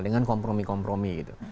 dengan kompromi kompromi gitu